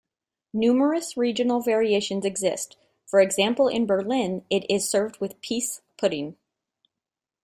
Numerous regional variations exist, for example in Berlin it is served with pease pudding.